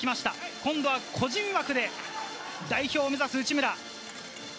今度は個人枠で代表を目指す内村。